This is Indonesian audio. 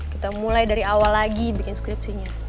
kita mulai dari awal lagi bikin skripsinya